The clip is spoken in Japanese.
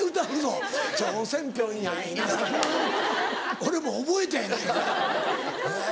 俺も覚えたやないかい。